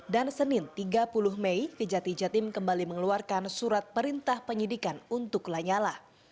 dan senin tiga puluh mei kejati jatim kembali mengeluarkan surat perintah penyidikan untuk lanyala